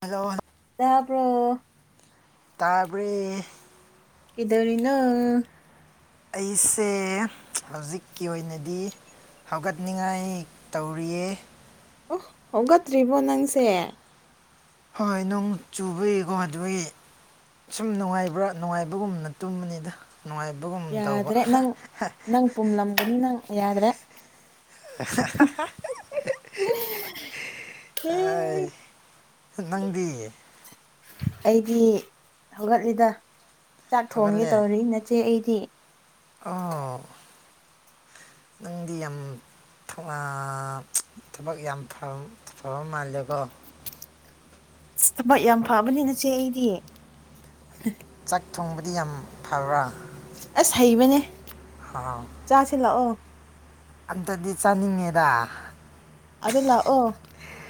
ꯃꯖ ꯇꯄꯔꯣ ꯇꯥꯄ ꯏꯔꯤꯅ ꯑꯩꯁꯦ ꯍꯧꯖꯤꯛꯀꯤ ꯑꯣꯏꯅꯗꯤ ꯍꯧꯒꯠꯅꯤꯡꯉꯥꯏ ꯇꯧꯔꯤꯌꯦ ꯑꯣꯍ ꯍꯧꯒꯠꯇ꯭ꯔꯤꯕꯣ ꯅꯪꯁꯦ ꯍꯣꯏ ꯅꯣꯡ ꯆꯨꯕꯒꯤꯀꯣ ꯑꯗꯨꯒꯤ ꯁꯨꯝ ꯅꯨꯡꯉꯥꯏꯕ꯭ꯔꯥ ꯅꯨꯡꯉꯥꯏꯕꯒꯨꯝꯅ ꯇꯨꯝꯕꯅꯤꯗ ꯅꯨꯡꯉꯥꯏꯕꯒꯨꯝ ꯇꯧꯕ ꯌꯥꯗ꯭ꯔꯦ ꯅꯪ ꯅꯪ ꯄꯨꯝꯂꯝꯒꯅꯤ ꯅꯪ ꯌꯥꯗ꯭ꯔꯦ ꯑ ꯅꯪꯗꯤ ꯑꯩꯗꯤ ꯍꯧꯒꯠꯂꯤꯗ ꯆꯥꯛ ꯊꯣꯡꯒꯦ ꯍꯧꯒꯠꯂꯦ ꯇꯧꯔꯤ ꯅꯆꯦ ꯑꯩꯗꯤ ꯑꯣ ꯅꯗꯤ ꯑꯝ ꯊꯕꯛ ꯌꯥꯝ ꯐꯕ ꯃꯥꯜꯂꯦꯀꯣ ꯑ ꯊꯕꯛ ꯌꯥꯝ ꯐꯕꯅꯤ ꯅꯆꯦ ꯑꯩꯗꯤ ꯆꯥꯛ ꯊꯣꯡꯕꯗꯤ ꯌꯥꯝ ꯐꯕ꯭ꯔꯥ ꯑꯁ ꯍꯩꯕꯅꯦ ꯍꯥꯎ, ꯆꯥꯁꯤꯂꯥꯛꯑꯣ ꯑꯝꯇꯗꯤ ꯆꯥꯅꯤꯡꯉꯦꯔ ꯑꯗꯨ ꯂꯥꯛꯑꯣ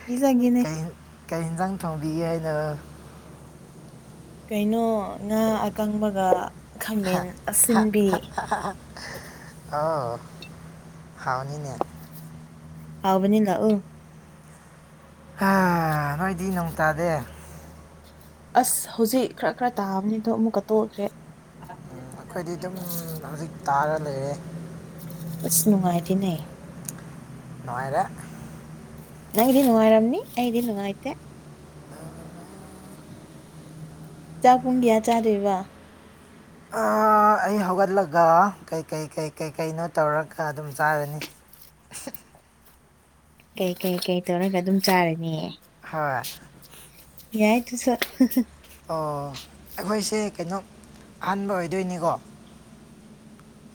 ꯄꯤꯖꯒ ꯀ ꯀꯩ ꯌꯦꯟꯖꯥꯡ ꯊꯣꯡꯕꯤꯒꯦ ꯍꯥꯏꯅ ꯀꯩꯅꯣ ꯉꯥ ꯑꯀꯪꯕꯒ ꯈꯥꯃꯦꯟ ꯑꯁꯤꯟꯕꯤ ꯑꯣ ꯍꯥꯎꯅꯤꯅꯦ ꯍꯥꯎꯕꯅꯤꯂ ꯎ ꯑ ꯅꯣꯏꯗꯤ ꯅꯣꯡ ꯇꯥꯗꯦ ꯑꯁ ꯍꯧꯖꯤꯛ ꯈꯔ ꯈꯔ ꯇꯥꯕꯅꯤ ꯑꯗꯣ ꯑꯃꯨꯛꯀ ꯇꯣꯛꯑꯁꯦ ꯑꯩꯈꯣꯏꯗꯤ ꯑꯗꯨꯝ ꯍꯧꯖꯤꯛ ꯇꯥꯔ ꯂꯩꯔꯦ ꯑꯁ ꯅꯨꯡꯉꯥꯏꯗꯤꯅꯦ ꯅꯅꯨꯡꯉꯥꯏꯔ ꯅꯗꯤ ꯅꯨꯡꯉꯥꯏꯔꯝꯅꯤ ꯑꯩꯗꯤ ꯅꯨꯡꯉꯥꯏꯇ ꯆꯥꯛ ꯄꯨꯡ ꯀꯌꯥ ꯆꯥꯔꯦꯕ ꯑꯩ ꯍꯧꯒꯠꯂꯒ ꯀꯩꯀꯩ ꯀꯩ ꯀꯩꯀꯩꯅꯣ ꯇꯧꯔꯒ ꯑꯗꯨꯝ ꯆꯥꯔꯅꯤ ꯀꯩ ꯀꯩ ꯀꯩ ꯇꯧꯔꯒ ꯑꯗꯨꯝ ꯆꯥꯔꯅꯤꯑ ꯍꯣꯏ ꯌꯥꯏ ꯇꯨꯁ ꯑꯣ ꯑꯩꯈꯣꯏꯁꯦ ꯀꯩꯅꯣ ꯑꯍꯥꯟꯕ ꯑꯣꯏꯗꯣꯏꯅꯤꯀꯣ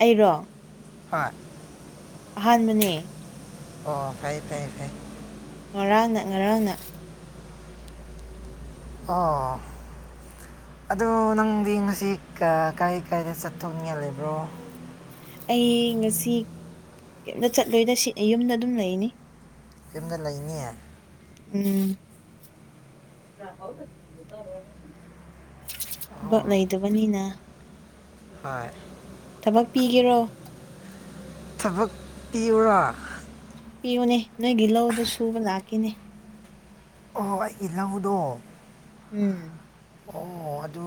ꯑꯩꯔꯣ ꯍ ꯑꯍꯥꯟꯕꯅꯦ ꯑꯣ ꯐꯔꯦ ꯐꯌꯦ ꯐꯌꯦ ꯉꯔꯥꯡꯅ ꯉꯔꯥꯡꯅ ꯑꯥ ꯑꯗ ꯅꯪꯗꯤ ꯉꯁꯤ ꯀꯥꯏ ꯀꯥꯏꯗ ꯆꯠꯊꯣꯛꯅꯤꯡꯉ ꯂꯩꯕ꯭ꯔꯣ ꯑꯩ ꯉꯁꯤ ꯀꯩꯝꯇ ꯆꯠꯂꯣꯏꯗ ꯁꯤ ꯌꯨꯝꯗ ꯑꯗꯨꯝ ꯂꯩꯅꯤ ꯑꯗꯨꯨꯝꯗ ꯂꯩꯅꯤ ꯎꯝ ꯑꯣ ꯊꯕꯛ ꯂꯩꯗꯕꯅꯤꯅ ꯍꯣꯏ ꯊꯕꯛ ꯄꯤꯒꯦꯔꯣ ꯊꯕꯛ ꯄꯤꯕꯨꯔꯥ ꯄꯤꯌꯨꯅꯦ ꯅꯣꯏꯒꯤ ꯂꯧꯗꯨ ꯁꯨꯕ ꯂꯥꯛꯈꯤꯅꯦ ꯑꯣ ꯑꯩ ꯏꯜꯍꯧꯗꯣ ꯎꯝ ꯑꯣ ꯑꯗꯨ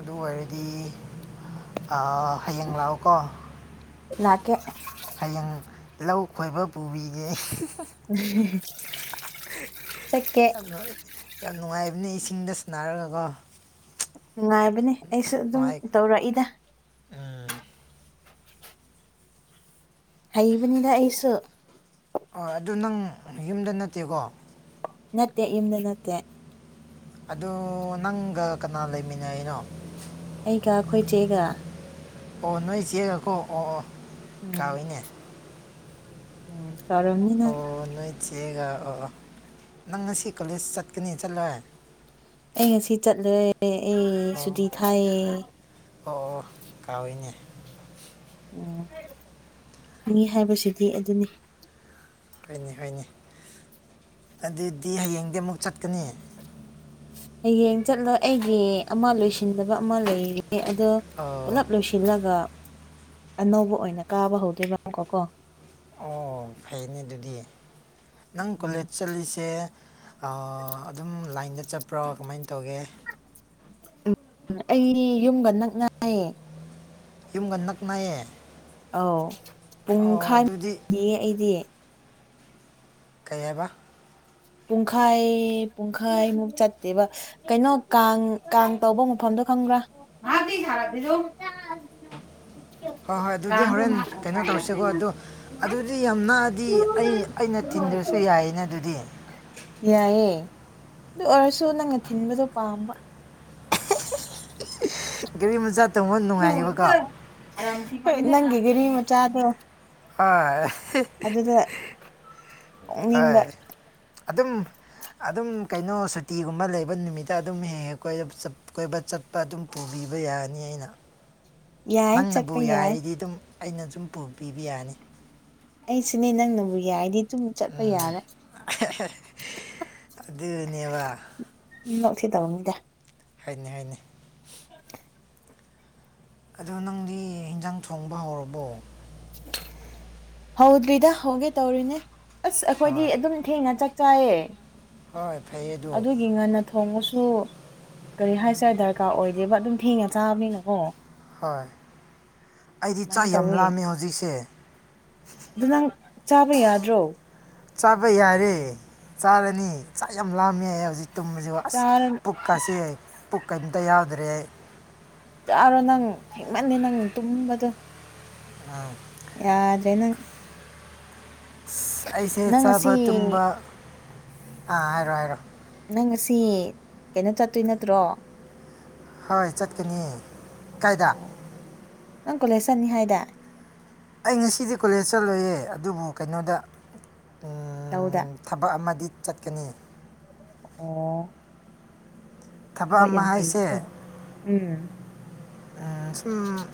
ꯑꯗꯨ ꯑꯣꯏꯔꯗꯤ ꯍꯌꯦꯡ ꯂꯥꯛꯑꯣꯀꯣ ꯂꯥꯛꯀꯦ ꯍꯌꯦꯡ ꯂꯧ ꯈꯣꯏꯕ ꯄꯨꯕꯤꯒꯦ ꯎ ꯌꯥꯝ ꯌꯥꯝ ꯅꯨꯡꯉꯥꯏꯕꯅꯦ ꯏꯁꯤꯡꯗ ꯁꯟꯅꯔꯒꯀꯣ ꯅꯨꯡꯉꯥꯏꯕꯅꯦ ꯑꯩꯁꯨ ꯑꯗꯨꯝ ꯅꯨꯡꯉꯥꯏ ꯇꯧꯔꯛꯏꯗ ꯎꯝ ꯍꯩꯕꯅꯤꯅ ꯑꯩꯁꯨ ꯍꯣꯏ ꯑꯗꯨ ꯅꯪ ꯌꯨꯝꯗ ꯅꯠꯇꯦꯀꯣ ꯅꯠꯇꯦ ꯌꯨꯝꯗ ꯅꯠꯇꯦ ꯑꯗꯨ ꯅꯪꯒ ꯀꯅꯥ ꯂꯩꯃꯤꯟꯅꯅꯣ ꯑꯩꯒ ꯑꯩꯈꯣꯏ ꯆꯦꯒ ꯑꯣ ꯅꯣꯏ ꯆꯦꯒꯈꯣ ꯑꯣ ꯑꯣ ꯎꯝ ꯀꯥꯎꯏꯅꯦ ꯎꯝ ꯇꯔ ꯑꯣ ꯅꯣꯏꯠ ꯆꯦꯒ ꯑꯣ ꯅꯪ ꯉꯁꯤ ꯀꯣꯂꯦꯖ ꯆꯠꯀꯅꯤ ꯆꯠꯂꯣꯏ ꯑꯩ ꯉꯁꯤ ꯆꯠꯂꯦ ꯑꯩ ꯑꯣ ꯁꯨꯇꯤ ꯊꯥꯏꯌꯦ ꯑꯣ ꯑꯣ ꯀꯥꯎꯏꯅꯦ ꯎꯝ ꯃꯤ ꯍꯥꯏꯕꯁꯤꯗꯤ ꯑꯗꯨꯅꯤ ꯍꯣꯏꯅꯤ ꯍꯣꯏꯅꯦ ꯑꯗꯨꯗꯤ ꯍꯌꯦꯡꯗꯤ ꯑꯃꯨꯛ ꯆꯠꯀꯅꯤ ꯍꯌꯦꯡ ꯆꯠꯂꯣ ꯑꯩꯒꯤ ꯑꯃ ꯂꯣꯏꯁꯤꯟꯗꯕ ꯑꯃ ꯂꯩꯔꯦ ꯑꯗꯣ ꯑꯣ ꯄꯨꯂꯞ ꯂꯣꯏ ꯁꯤꯠꯂꯒ ꯑꯅꯧꯕ ꯑꯣꯏꯅ ꯀꯥꯕ ꯍꯧꯗꯣꯏꯕꯀꯣ ꯀꯣ ꯑꯣ ꯐꯩꯅꯦ ꯑꯗꯨꯗꯤ ꯅꯪ ꯀꯣꯂꯦꯖ ꯆꯠꯂꯤꯁꯦ ꯑ ꯑꯗꯨꯝ ꯂꯥꯏꯟꯗ ꯆꯠꯄ꯭ꯔꯣ ꯀꯃꯥꯏꯅ ꯇꯧꯒꯦ ꯑꯩ ꯌꯨꯝꯒ ꯅꯛꯅꯌꯦ ꯌꯨꯝꯒ ꯅꯛꯅꯌꯦ ꯑꯧ ꯑꯗꯨꯗꯤ ꯄꯨꯡꯈꯥꯏꯃ ꯑꯩꯗꯤ ꯀꯩ ꯍꯥꯏꯕ ꯄꯨꯡꯈꯥꯏ ꯄꯨꯡꯈꯥꯏꯃꯨꯛ ꯆꯠꯇꯦꯕ ꯀꯩꯅꯣ ꯀꯥꯡ ꯀꯥꯡ ꯇꯧꯕ ꯃꯐꯝꯗꯣ ꯈꯪꯕ꯭ꯔꯥ ꯑ ꯀ [inaudible] ꯊꯥꯔꯗꯤꯗ ꯍꯣꯏ ꯍꯣꯏ ꯑꯗꯨꯗꯤ ꯍꯣꯔꯦꯟ ꯀꯩꯅꯣ ꯇꯧꯁꯤꯀꯣ ꯑꯗꯨꯗꯣ ꯑꯗꯨꯗꯤ ꯌꯥꯝ ꯅꯥꯑꯗꯤ ꯑꯩ ꯑꯩꯅ ꯇꯤꯟꯗ꯭ꯔꯁꯨ ꯌꯥꯏꯌꯦꯅ ꯑꯗꯨꯗꯤ ꯌꯥꯏꯑꯦ ꯑꯗꯨ ꯑꯣꯏꯔꯁꯨ ꯅꯪꯅ ꯊꯤꯟꯕꯗꯣ ꯄꯥꯝꯕ ꯒꯔꯤ ꯃꯆꯥ ꯇꯣꯡꯕ ꯅꯨꯡꯉꯥꯏꯌꯦꯕꯀꯣ ꯅꯪꯒꯤ ꯒꯔꯤ ꯃꯆꯥꯗꯣ ꯑ ꯑꯗꯨꯗ ꯑ ꯇꯣꯡꯅꯤꯡꯕ ꯑꯗꯨꯝ ꯑꯗꯨꯝ ꯀꯩꯅꯣ ꯁꯨꯇꯤꯒꯨꯝꯕ ꯂꯩꯕ ꯅꯨꯃꯤꯠꯇ ꯑꯗꯨꯝ ꯍꯦꯛ ꯍꯦꯛ ꯀꯣꯏꯕ ꯆꯠ ꯀꯣꯏꯕ ꯆꯠꯄ ꯑꯗꯨꯝ ꯄꯨꯕꯤꯕ ꯌꯥꯅꯤ ꯑꯩꯅ ꯌꯥꯏ ꯅꯪꯅꯕꯨ ꯆꯠꯄ ꯌꯥꯏ ꯌꯥꯔꯗꯤ ꯑꯗꯨꯝ ꯑꯩꯅ ꯁꯨꯝ ꯄꯨꯕꯤꯕ ꯌꯥꯅꯤ ꯑꯩ ꯁꯤꯅꯦ ꯅꯪꯅꯕꯨ ꯌꯥꯏꯗꯤ ꯑꯗꯨꯨꯝ ꯆꯠꯄ ꯌꯥꯔꯦ ꯅꯣꯛꯊꯤ ꯇꯧꯅꯤꯗ ꯍꯣꯏꯅꯤ ꯍꯣꯏꯅꯤ ꯑꯗꯣ ꯅꯪꯗꯤ ꯌꯦꯟꯖꯥꯡ ꯊꯣꯡꯕ ꯍꯧꯔꯕꯣ ꯍꯧꯗ꯭ꯔꯤꯗ ꯍꯧꯒꯦ ꯇꯧꯔꯤꯅꯦ ꯑꯁ ꯑꯩꯈꯣꯏꯗꯤ ꯑꯗꯨꯝ ꯊꯦꯡꯅ ꯆꯥꯛ ꯆꯥꯏꯌꯦ ꯍꯣꯏ ꯐꯩ ꯑꯦ ꯑꯗꯨꯒꯤ ꯉꯟꯅ ꯊꯣꯡꯉꯁꯨ ꯀꯔꯤ ꯍꯥꯏꯁꯦ ꯗꯔꯀꯥꯔ ꯑꯣꯏꯗꯦꯕ ꯑꯗꯨꯝ ꯊꯦꯡꯉ ꯆꯥꯕꯅꯤꯅꯀꯣ ꯍꯣꯏ ꯑꯩꯗꯤ ꯆꯥꯛ ꯑꯗꯨꯃꯥꯏꯅ ꯌꯥꯝ ꯇꯧꯋꯦ ꯂꯥꯝꯃꯦ ꯍꯧꯖꯤꯛꯁꯦ ꯑꯗꯨ ꯅꯪ ꯆꯥꯕ ꯌꯥꯗ꯭ꯔꯣ ꯆꯥꯕ ꯌꯥꯔꯦ ꯆꯥꯔꯅꯤ ꯆꯥꯛ ꯌꯥꯝ ꯂꯥꯝꯃꯦ ꯍꯧꯖꯤꯛ ꯇꯨꯝꯕꯁꯤ ꯑꯁ ꯆꯥꯔꯣ ꯄꯨꯛꯀꯁꯤ ꯄꯨꯛ ꯀꯩꯝꯇ ꯌꯥꯎꯗ꯭ꯔꯦ ꯑꯩ ꯌꯥꯔꯣ ꯅꯪ ꯊꯦꯡꯃꯟꯅꯤ ꯅꯪ ꯇꯨꯝꯕꯗꯣ ꯑꯥ ꯌꯥꯗ꯭ꯔꯦ ꯅꯪ ꯑꯁ ꯑꯩꯁꯦ ꯅꯪ ꯉꯁꯤ ꯆꯥꯕ ꯇꯨꯝꯕ ꯑꯥ ꯍꯥꯏꯔꯣ ꯍꯥꯏꯔꯣ ꯅꯪ ꯉꯁꯤ ꯀꯩꯅꯣ ꯆꯠꯇꯣꯏ ꯅꯠꯇ꯭ꯔꯣ ꯍꯣꯏ ꯆꯠꯀꯅꯤ ꯀꯥꯏꯗ ꯑꯣ ꯅꯪ ꯀꯣꯂꯦꯖ ꯆꯠꯅꯤ ꯍꯥꯏꯗ ꯑꯩ ꯉꯁꯤꯗꯤ ꯀꯣꯂꯦꯖ ꯆꯠꯂꯣꯏꯌꯦ ꯑꯗꯨꯕꯨ ꯀꯩꯅꯣꯗ ꯂꯧꯎꯗ ꯊꯕꯛ ꯑꯃꯗꯤ ꯆꯠꯀꯅꯤ ꯑꯣ ꯊꯕꯛ ꯑꯃ ꯌꯥꯝ ꯐꯩꯀꯣ ꯍꯥꯏꯁꯦ ꯎꯝ ꯁꯨꯝ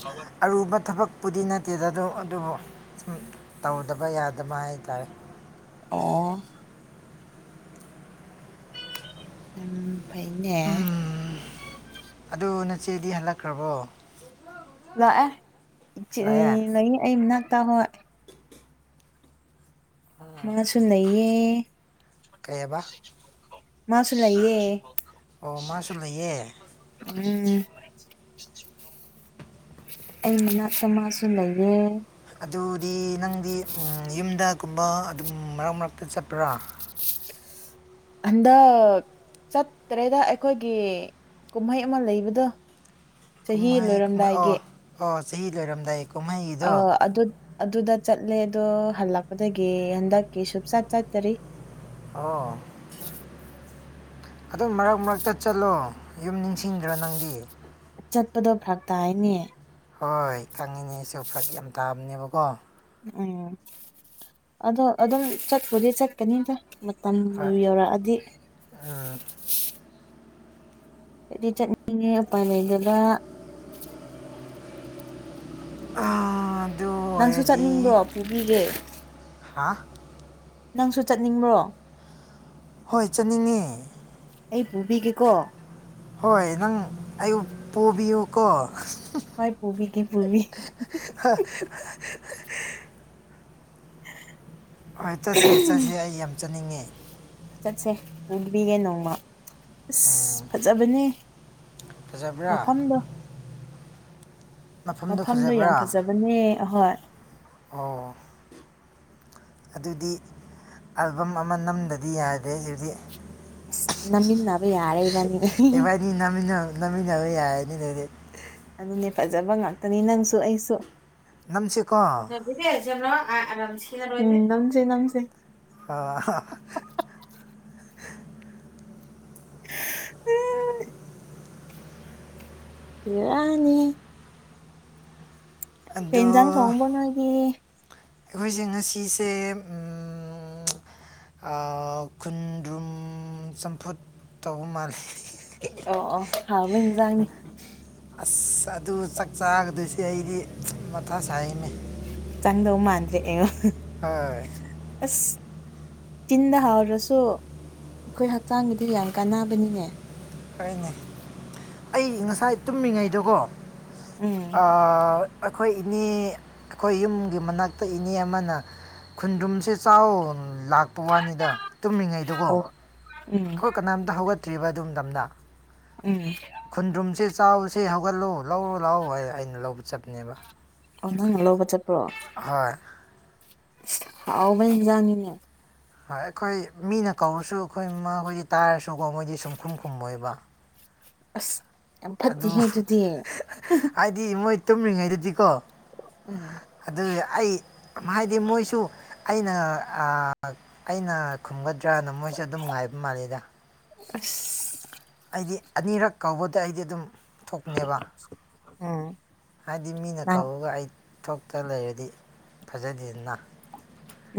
ꯑꯔꯨꯕ ꯊꯕꯛꯄꯨꯗꯤ ꯅꯠꯇꯦꯗ ꯑꯗꯨꯕꯨ ꯁꯨꯝ ꯇꯧꯗꯕ ꯌꯥꯗꯕ ꯍꯥꯏꯇꯥꯔꯦ ꯑꯣ ꯎꯝ ꯐꯩꯅꯦ ꯑꯗꯨ ꯅꯆꯦꯗꯤ ꯍꯜꯂꯛꯈ꯭ꯔꯕꯣ ꯂꯥꯛꯑꯦ ꯏꯆ ꯂꯥꯛꯑꯦ ꯂꯩꯌꯦ ꯑꯩ ꯃꯅꯥꯛꯇ ꯍꯣꯢ ꯃꯥꯁꯨ ꯂꯩꯌꯦ ꯀꯩ ꯍꯥꯏꯕ ꯃꯥꯁꯨ ꯂꯩꯌꯦ ꯑꯣ ꯃꯥꯁꯨ ꯂꯩꯌꯦ ꯎꯝ ꯑꯩ ꯃꯅꯥꯛꯇꯃꯁꯨ ꯂꯩꯌꯦ ꯑꯗꯨꯗꯤ ꯅꯪꯗꯤ ꯌꯨꯝꯗꯒꯨꯝꯕ ꯑꯗꯨꯝ ꯃꯔꯛ ꯃꯔꯛꯇ ꯆꯠꯄ꯭ꯔꯥ ꯍꯟꯗꯛ ꯆꯠꯇ꯭ꯔꯦꯗ ꯑꯩꯈꯣꯏꯒꯤ ꯀꯨꯝꯍꯩ ꯑꯃ ꯂꯩꯕꯗꯣ ꯆꯍꯤ ꯀꯨꯝꯍꯩ ꯀꯨꯝꯍꯩ ꯂꯣꯏꯔꯝꯗꯥꯏꯒꯤ ꯑꯣ ꯑꯣ ꯆꯍꯤ ꯂꯣꯏꯔꯝꯗꯥꯏ ꯑ ꯀꯨꯝꯍꯩꯒꯤꯗꯣ ꯑꯗꯨ ꯑꯗꯨꯗ ꯆꯠꯂꯦ ꯑꯗꯣ ꯍꯜꯂꯛꯄꯗꯒꯤ ꯍꯟꯗꯛꯀꯤ ꯁꯨꯡꯆꯠ ꯆꯠꯇꯔꯤ ꯑꯥ ꯑꯗꯨꯝ ꯃꯔꯛ ꯃꯔꯛꯇ ꯆꯠꯂꯣ ꯌꯨꯝ ꯅꯤꯡꯁꯤꯡꯗ꯭ꯔꯥ ꯅꯪꯗꯤ ꯆꯠꯄꯗꯣ ꯐꯔꯥꯛ ꯇꯥꯏꯅꯦ ꯍꯣꯏ ꯈꯪꯉꯤꯅꯦꯁꯨ ꯐꯔꯛ ꯌꯥꯝ ꯇꯥꯕꯅꯦꯕꯀꯣ ꯎꯝ ꯑꯗꯣ ꯑꯗꯨꯝ ꯆꯠꯄꯗꯤ ꯆꯠꯀꯅꯤꯗ ꯃꯇꯝꯕꯨ ꯌꯧꯔꯛꯑꯗꯤ ꯑꯥ ꯑꯩꯗꯤ ꯆꯠꯅꯤꯡꯉꯦ ꯎꯄꯥꯏ ꯂꯩꯒꯗ ꯑꯥ ꯑꯗꯨ ꯅꯪꯁꯨ ꯑꯣꯏꯔꯗꯤ ꯆꯠꯅꯤꯡꯕ꯭ꯔꯣ ꯄꯨꯕꯤꯒꯦ ꯍꯥ ꯅꯪꯁꯨ ꯆꯠꯅꯤꯡꯕ꯭ꯔꯣ ꯍꯣꯏ ꯆꯠꯅꯤꯡꯉꯦ ꯑꯩ ꯄꯨꯕꯤꯒꯦꯀꯣ ꯍꯣꯏ ꯅꯪ ꯑꯌꯨꯛ ꯄꯨꯕꯤꯌꯨ ꯀꯣ ꯍꯣꯏ ꯄꯨꯕꯤꯒꯦ ꯄꯨꯕꯤ ꯍꯣꯏ ꯆꯠꯁꯦ- ꯆꯠꯁꯤ ꯑꯩ ꯌꯥꯝ ꯆꯠꯅꯤꯡꯉꯦ ꯆꯠꯁꯦ ꯄꯨꯕꯤꯒꯦ ꯅꯣꯡꯃ ꯑꯁ ꯎꯝ, ꯐꯖꯕꯅꯦ ꯐꯖꯕ꯭ꯔꯥ ꯃꯐꯝꯗꯣ ꯃꯐꯝꯗꯣ ꯃꯐꯝꯗꯨ ꯌꯥꯝ ꯐꯖꯕ꯭ꯔꯥ ꯐꯖꯕꯅꯦ ꯑꯍꯣꯏ ꯑꯣ ꯑꯗꯨꯗꯤ ꯑꯜꯕꯝ ꯑꯃ ꯅꯝꯗꯗꯤ ꯌꯥꯗꯦ ꯑꯗꯨꯗꯤ ꯅꯝꯃꯤꯟꯅꯕ ꯌꯥꯔꯦ ꯢꯕꯥꯅꯤ ꯃꯤ ꯅꯝꯃꯤꯟꯅ ꯅꯝꯃꯤꯟꯅꯕ ꯌꯥꯏꯔꯅꯤ ꯑꯗꯨꯗꯤ ꯑꯗꯨꯅꯦ ꯐꯖꯕ ꯉꯥꯛꯇꯅꯤ ꯅꯪꯁꯨ ꯑꯩꯁꯨ ꯅꯝꯁꯤꯀꯣ ꯖꯕ꯭ꯔꯣꯔꯣꯏ ꯅꯝꯁ ꯅꯝꯁꯦ [inaudible] ꯍ ꯎꯝ ꯍꯤꯔꯥꯅꯤ ꯀꯩ ꯑꯗꯨ ꯏꯟꯖꯥꯡ ꯊꯣꯡꯕ ꯅꯣꯏꯒꯤ ꯑꯈꯣꯏꯁꯦ ꯉꯁꯤꯁꯦ ꯎꯝ ꯑꯥ ꯈꯨꯨꯟꯗ꯭ꯔꯨꯝ ꯆꯝꯐꯨꯠ ꯇꯧꯕ ꯃꯥꯜꯂꯤ ꯑꯣ-ꯑꯣ ꯍꯥꯎꯋꯤꯟ ꯏꯟꯖꯥꯡꯅꯤ ꯑꯁ ꯑꯗꯨ ꯆꯥꯛ ꯆꯥꯒꯗꯨꯏꯁꯤ ꯑꯩꯗꯤ ꯃꯊꯥ ꯁꯥꯏꯌꯦꯅꯦ ꯆꯪꯗꯧ ꯃꯥꯟꯗꯦ ꯑꯦꯡꯉꯣ ꯍꯣꯏ ꯑꯁ ꯆꯤꯟꯗ ꯍꯥꯎꯔꯥꯁꯨ ꯑꯩꯈꯣꯏ ꯍꯛꯆꯥꯡꯒꯤꯗꯤ ꯌꯥꯝ ꯀꯥꯟꯅꯕꯅꯤꯅꯦ ꯀꯔꯤꯅꯣ ꯑꯩ ꯉꯁꯥꯏ ꯇꯨꯝꯃꯤꯉꯩꯗꯀꯣ ꯎꯝ ꯑꯥ ꯑꯩꯈꯣꯏ ꯏꯅꯦ ꯑꯩꯈꯣꯏ ꯌꯨꯝꯒꯤ ꯃꯅꯥꯛꯇ ꯏꯅꯦ ꯑꯃꯥꯅ ꯈꯨꯟꯗ꯭ꯔꯨꯝꯁꯦ ꯆꯥꯎꯋꯣ ꯂꯥꯛꯄ ꯋꯥꯅꯤꯗ ꯇꯨꯝꯃꯤꯉꯩꯗꯀꯣ ꯎꯝ ꯑꯈꯣꯏ ꯀꯅꯥꯝꯇ ꯍꯧꯒꯠꯇ꯭ꯔꯤꯕ ꯑꯗꯨꯝ ꯃꯇꯝꯗ ꯎꯝ [inaudible] ꯈꯨꯟꯗ꯭ꯔꯨꯝꯁꯦ ꯆꯥꯎꯋꯣꯁꯦ ꯍꯧꯒꯠꯂꯣ ꯂꯧꯔꯨ ꯂꯥꯎ ꯍꯥꯏꯌꯦ ꯑꯩꯅ ꯂꯧꯕ ꯆꯠꯄꯅꯦꯕ ꯑꯣ ꯅꯪꯅ ꯂꯧꯕ ꯆꯠꯄ꯭ꯔꯣ ꯍꯣꯏ ꯍꯥꯎꯕꯖꯅꯤꯡꯅꯦ [inaudible] ꯍꯥꯏ ꯑꯩꯈꯣꯏ ꯃꯤꯅ ꯀꯧꯔꯥꯁꯨ ꯑꯩꯈꯣꯏ ꯃꯥ ꯍꯣꯏꯗꯤ ꯇꯥꯏꯔꯥꯁꯨꯀꯣ ꯃꯣꯏꯗꯤ ꯁꯨꯝꯈꯨꯝ ꯈꯨꯝꯃꯣꯏꯕ ꯑꯁ ꯌꯥꯝ ꯐꯠꯇꯦꯍꯦ ꯑꯗꯨꯗꯤ ꯗꯤ ꯃꯣꯏ ꯇꯨꯝꯃꯤꯉꯩꯗꯗꯤ ꯀꯣ ꯎꯝ ꯑꯗꯨ ꯑꯩ ꯍꯥꯏꯗꯤ ꯃꯣꯏꯁꯨ ꯑꯩꯅ ꯑꯥ ꯑꯩꯅ ꯈꯨꯝꯒꯗ꯭ꯔꯥꯅ ꯃꯣꯏꯁꯨ ꯑꯗꯨꯝ ꯉꯥꯏꯕ ꯃꯥꯜꯂꯤꯗ ꯑꯁ ꯑꯩꯗꯤ ꯑꯅꯤꯔꯛ ꯀꯧꯕꯗ ꯑꯩꯗꯤ ꯑꯗꯨꯝ ꯊꯣꯛꯄꯅꯦꯕ ꯎꯝ ꯍꯥꯏꯗꯤ ꯃꯤꯅ ꯅꯪ ꯀꯧꯔꯒ ꯑꯩ ꯊꯣꯛꯇ ꯂꯩꯔꯗꯤ ꯐꯖꯗꯦꯗꯅ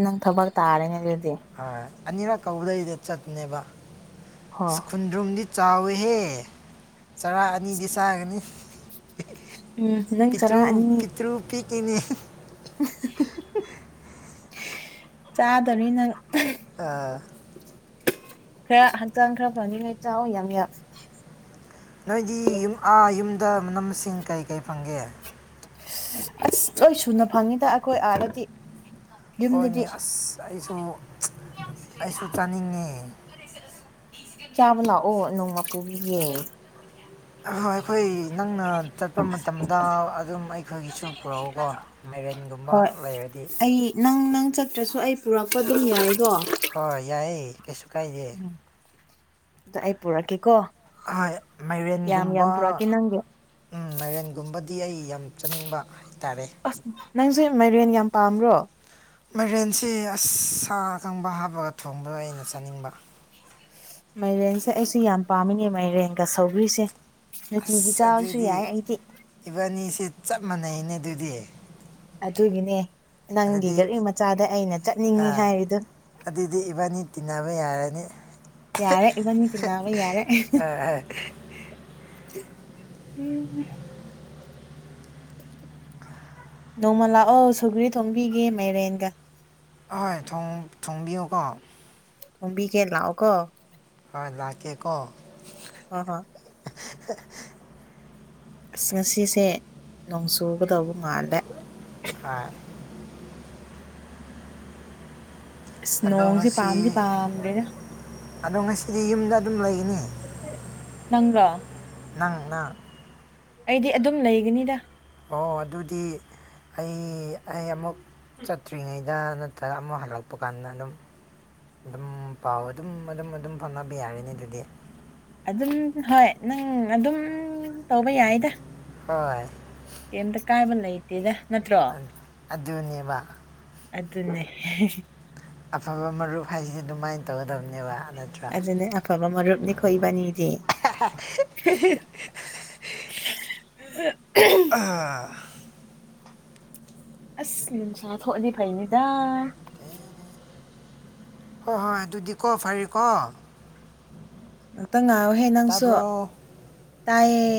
ꯅꯪ ꯊꯕꯛ ꯇꯥꯔꯤꯅꯦ ꯑꯗꯨꯗꯤ ꯍꯣꯏ ꯑꯅꯤꯔꯛ ꯀꯧꯕꯗꯩꯗ ꯆꯠꯅꯦꯕ ꯍꯣ ꯀꯨꯟꯗ꯭ꯔꯨꯝꯗꯤ ꯆꯥꯎꯋꯦꯍꯦ ꯆꯔꯥ ꯑꯅꯤꯗꯤ ꯆꯥꯒꯅꯤ ꯎꯝ ꯅꯪ ꯆꯔꯥ ꯄꯤꯇ꯭ꯔꯨ ꯄꯤꯠꯇ꯭ꯔꯨ ꯄꯤꯛꯀꯤꯅꯦ ꯆꯥꯗꯅꯤꯅ ꯑ ꯈꯔ ꯍꯛꯆꯥꯡ ꯈꯔ ꯐꯪꯅꯤꯡꯉꯥꯏ ꯆꯥꯎ ꯌꯥꯝ ꯅꯣꯏꯒꯤ ꯌꯨꯝ ꯑꯥ ꯌꯨꯝꯗ ꯃꯅꯥꯝ ꯃꯁꯤꯡ ꯀꯩ ꯀꯩ ꯐꯪꯒꯦ ꯑꯁ ꯂꯣꯏ ꯁꯨꯅ ꯐꯪꯉꯤꯗ ꯑꯩꯈꯣꯏ ꯑꯥꯔꯗꯗꯤ ꯍꯣꯏꯅꯦ ꯑꯁ ꯑꯩꯁꯨ ꯑꯩꯁꯨ ꯆꯥꯅꯤꯡꯉꯦ ꯆꯥꯕ ꯂꯥꯛꯑꯣ ꯅꯣꯡꯃ ꯄꯨꯨꯕꯤꯒꯦ ꯑꯥ ꯍꯣꯏ ꯅꯪꯅ ꯆꯠꯄ ꯃꯇꯝꯗ ꯑꯗꯨꯝ ꯑꯩꯈꯣꯏꯒꯤꯁꯨ ꯄꯨꯔꯛꯎꯀꯣ ꯃꯩꯔꯦꯟꯒꯨꯝꯕ ꯂꯩꯔꯗꯤ ꯅꯪ-ꯅꯪ ꯆꯠꯇ꯭ꯔꯥꯁꯨ ꯑꯩ ꯄꯨꯔꯛꯄ ꯑꯗꯨꯝ ꯌꯥꯏꯗꯣ ꯍꯣꯏ ꯌꯥꯏꯌꯦ ꯀꯩꯁꯨ ꯀꯥꯏꯗꯦ ꯎꯝ ꯑꯗꯥ ꯑꯩ ꯄꯨꯔꯛꯀꯦꯀꯣ ꯑꯥꯏ ꯌꯥꯝ ꯌꯥꯝ ꯃꯥꯏꯔꯦꯟꯒꯨꯝꯕ ꯄꯨꯔꯛꯀꯦ ꯅꯪꯒꯤ ꯎꯝ ꯃꯥꯏꯔꯦꯟꯒꯨꯝꯕꯗꯤ ꯑꯩ ꯌꯥꯝ ꯆꯥꯅꯤꯡꯕ ꯍꯥꯏꯇꯥꯔꯦ ꯑꯁ ꯅꯪꯁꯨ ꯃꯥꯏꯔꯦꯟ ꯌꯥꯝ ꯄꯥꯝꯕ꯭ꯔꯣ ꯃꯔꯦꯟꯁꯤ ꯑꯁ ꯁꯥ ꯑꯀꯪꯕ ꯍꯥꯞꯄꯒ ꯊꯣꯡꯕꯗꯣ ꯑꯩꯅ ꯆꯥꯅꯤꯡꯕ ꯃꯥꯏꯔꯦꯟꯁꯦ ꯑꯩꯁꯨ ꯌꯥꯝ ꯄꯥꯝꯃꯤꯅꯦ ꯃꯥꯏꯔꯦꯟ ꯁꯧꯒ꯭ꯔꯤꯁꯦ ꯅꯨꯇꯤꯒꯤ ꯑꯁ ꯆꯥꯕꯁꯨ ꯑꯗꯨꯗꯤ ꯌꯥꯏ ꯑꯩꯗꯤ ꯏꯕꯥꯅꯤꯁꯦ ꯆꯞ ꯃꯥꯟꯅꯩꯅꯦ ꯑꯗꯨꯗꯤ ꯑꯗꯨꯒꯤꯅꯦ ꯅꯪꯒꯤ ꯑꯗꯨꯗꯤ ꯒꯥꯔꯤ ꯃꯆꯥꯗ ꯑꯩꯅ ꯆꯠꯅꯤꯡꯉꯤ ꯑꯥ ꯍꯥꯏꯔꯤꯗꯨ ꯑꯗꯨꯗꯤ ꯏꯕꯥꯅꯤ ꯇꯤꯟꯅꯕ ꯌꯥꯔꯅꯤ ꯌꯥꯔꯦ ꯏꯕꯟ ꯆꯤꯟꯅꯕ ꯌꯥꯔꯦ ꯑꯥ ꯑꯥ ꯎꯝ ꯅꯣꯡꯃ ꯂꯥꯛꯑꯣ ꯁꯨꯒ꯭ꯔꯤ ꯊꯣꯡꯝꯕꯤꯒꯦ ꯃꯥꯏꯔꯦꯟꯒ ꯑꯣꯏ ꯊꯣꯡꯕꯤꯌꯨꯀꯣ ꯑꯣꯣꯝꯕꯤꯒꯦ ꯂꯥꯛꯑꯣ ꯀꯣ ꯍꯣꯏ ꯅꯀꯦ ꯀꯣ ꯑꯣ ꯍꯣ ꯑꯁ ꯉꯁꯤꯁꯦ ꯅꯣꯡ ꯆꯨꯒꯗꯧꯕ ꯃꯥꯜꯂꯦ ꯑ ꯑꯗꯣ ꯏꯁ꯭ꯅꯣꯁꯦ ꯉꯁꯤ ꯄꯥꯝꯗꯤ ꯄꯥꯝꯗꯦꯅ ꯑꯗꯣ ꯉꯁꯤꯗꯤ ꯌꯨꯝꯗ ꯑꯗꯨꯝ ꯂꯩꯒꯅꯤ ꯅꯪꯒꯥ ꯅꯪꯅꯪ ꯑꯩꯗꯤ ꯑꯗꯨꯝ ꯂꯩꯒꯅꯤꯗ ꯑꯣ ꯑꯗꯨꯗꯤ ꯑꯩ ꯑꯩ ꯑꯃꯨꯛ ꯆꯠꯇ꯭ꯔꯤꯉꯩꯗ ꯁꯤꯗ ꯅꯠꯇꯒ ꯑꯃ ꯍꯜꯂꯛꯄ ꯀꯥꯟꯗ ꯑꯗꯨꯝ ꯑꯗꯨꯝ ꯄꯥꯎ ꯑꯗꯨꯝ ꯑꯗꯨꯝ ꯑꯗꯨꯝ ꯐꯝꯅꯕ ꯌꯥꯔꯅꯤ ꯑꯗꯨꯗꯤ ꯑꯗꯨꯝ ꯍꯣꯏ ꯅꯪ ꯑꯗꯨꯝ ꯇꯧꯕ ꯌꯥꯏꯗ ꯍꯣꯏ ꯀꯩꯇ ꯀꯥꯏꯕ ꯂꯩꯇꯦꯗ ꯅꯠꯇ꯭ꯔꯣ ꯑꯗꯨꯅꯦꯕ ꯑꯗꯨ ꯑꯗꯨꯅꯦ ꯑꯐꯕ ꯃꯔꯨꯞ ꯍꯥꯏꯁꯤ ꯑꯗꯨꯃꯥꯏꯅ ꯇꯧꯒꯗꯕꯅꯦꯕ ꯅꯠꯇ꯭ꯔꯥ ꯑꯗꯨꯅꯦ ꯑꯐꯕ ꯃꯔꯨꯞꯅꯤ ꯈꯣꯏꯕꯅꯤꯗꯤ ꯑ ꯑꯣ ꯑꯁ ꯅꯨꯡꯁꯥ ꯊꯣꯛꯜꯂꯤ ꯐꯩꯅꯤꯗꯥ ꯍꯣꯏ ꯍꯣꯏ ꯑꯗꯨꯗꯤꯀꯣ ꯐꯔꯦꯀꯣ ꯉꯥꯛꯇꯪ ꯉꯥꯏꯑꯣꯍꯦ ꯅꯪꯁꯨ ꯇꯥꯕ꯭ꯔꯣ ꯇꯥꯏꯌꯦ